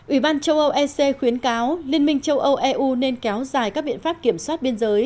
ủy ban châu âu ec khuyến cáo liên minh châu âu eu nên kéo dài các biện pháp kiểm soát biên giới